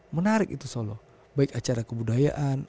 menarik itu solo baik acara kebudayaan